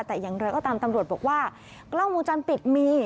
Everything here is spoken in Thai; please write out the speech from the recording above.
แต่อย่างไรก็ตามตำรวจบอกว่ากล้องมูลจรปิดมี